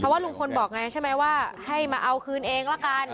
ว่าลุงพลบอกไงใช่ไหมว่าให้มาเอาคืนเองละกัน